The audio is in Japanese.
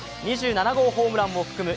２７号ホームランも含む